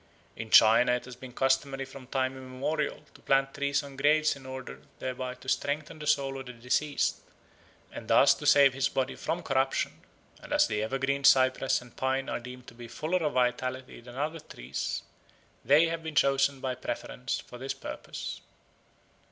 In China it has been customary from time immemorial to plant trees on graves in order thereby to strengthen the soul of the deceased and thus to save his body from corruption; and as the evergreen cypress and pine are deemed to be fuller of vitality than other trees, they have been chosen by preference for this purpose.